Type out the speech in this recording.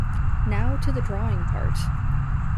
Now to the drawing part.